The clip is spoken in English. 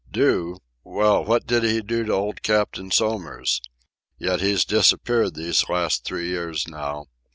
"Do? Well, what did he do to old Captain Somers? Yet he's disappeared these last three years now.